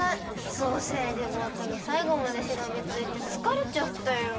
ソーセージボートにさいごまでしがみついてつかれちゃったよ。